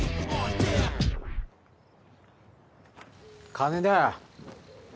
金だよ。